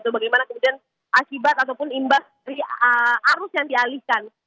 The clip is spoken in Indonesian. bagaimana kemudian akibat ataupun imbas dari arus yang dialihkan